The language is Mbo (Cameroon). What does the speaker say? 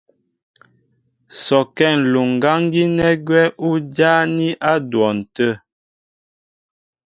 Sɔkɛ́ ǹluŋgáŋ gínɛ́ gwɛ́ ú jáání á dwɔn tə̂.